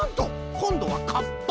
こんどはかっぱ！？